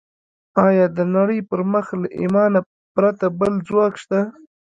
ايا د نړۍ پر مخ له ايمانه پرته بل ځواک شته؟